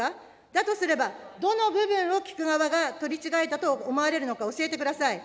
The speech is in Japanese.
だとすれば、どの部分を、聞く側が取り違えたと思われるのか、教えてください。